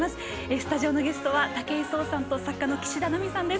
スタジオのゲストは武井壮さんと作家の岸田奈美さんです。